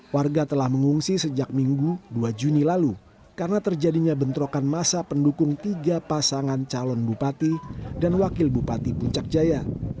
warga telah mengungsi sejak minggu dua juni lalu karena terjadinya bentrokan masa pendukung tiga pasangan calon bupati dan wakil bupati puncak jaya